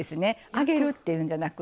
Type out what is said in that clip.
揚げるっていうんじゃなくて。